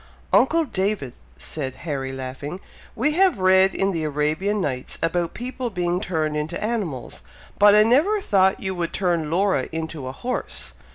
"Uncle David!" said Harry, laughing, "we have read in the Arabian Nights, about people being turned into animals, but I never thought you would turn Laura into a horse!